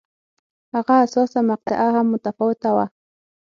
هغه حساسه مقطعه هم متفاوته وه.